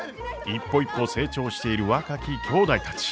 一歩一歩成長している若ききょうだいたち。